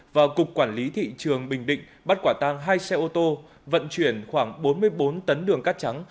và cục quản lý thị trường bình định bắt quả tang hai xe ô tô vận chuyển khoảng bốn mươi bốn tấn đường cát trắng